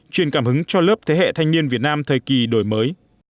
truyền cảm hứng cho lớp thế hệ thanh niên việt nam thời kỳ đổi mới